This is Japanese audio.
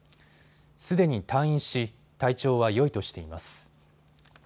すでに退院し、体調はよいとしています。